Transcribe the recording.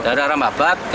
dari arah babat